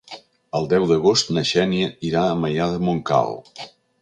El deu d'agost na Xènia irà a Maià de Montcal.